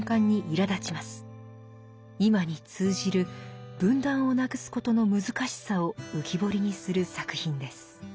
今に通じる分断をなくすことの難しさを浮き彫りにする作品です。